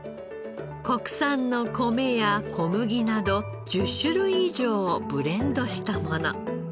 国産の米や小麦など１０種類以上をブレンドしたもの。